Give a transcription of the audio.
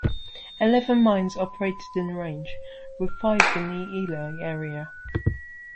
Eleven mines operated in the range, with five in the Ely area.